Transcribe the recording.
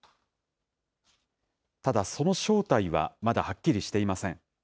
ただ、その正体はまだはっきりしていません。